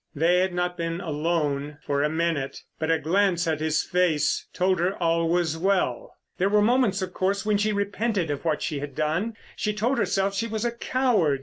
They had not been alone for a minute, but a glance at his face told her all was well. There were moments, of course, when she repented of what she had done. She told herself she was a coward.